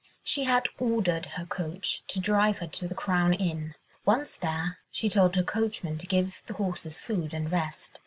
She had ordered her coach to drive her to the "Crown" inn; once there, she told her coachman to give the horses food and rest.